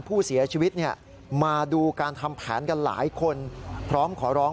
ผู้เสียชีวิตเนี่ยมาดูการทำแผนกันหลายคนพร้อมขอร้อง